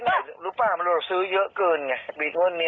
ไงหาไม่เจอเราว่าเราซุกลงวันที่หนึ่งน่ะแต่ไม่มีเออมาแล้วเนี้ย